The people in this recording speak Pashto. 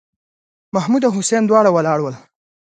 محمـود او حسين دواړه ولاړ ول.